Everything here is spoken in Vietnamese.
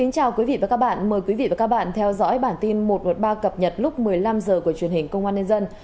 chào mừng quý vị đến với bản tin một trăm một mươi ba cập nhật lúc một mươi năm h của truyền hình công an nhân dân